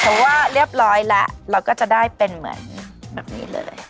เพราะว่าเรียบร้อยแล้วเราก็จะได้เป็นเหมือนแบบนี้เลย